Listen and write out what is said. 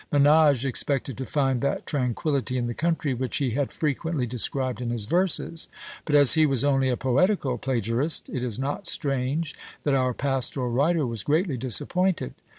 Menage expected to find that tranquillity in the country which he had frequently described in his verses; but as he was only a poetical plagiarist, it is not strange that our pastoral writer was greatly disappointed.